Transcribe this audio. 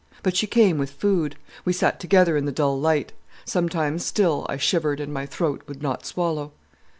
But she came with food. We sat together in the dull light. Sometimes still I shivered and my throat would not swallow.